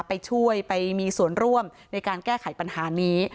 ไปช่วยไปมีส่วนร่วมในการแก้ไขปัญหานี้